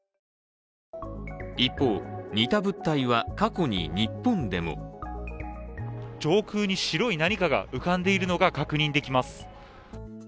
一方、似た物体は過去に日本でも上空に白い何かが浮かんでいるのが確認できます。